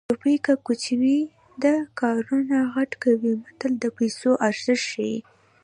روپۍ که کوچنۍ ده کارونه غټ کوي متل د پیسو ارزښت ښيي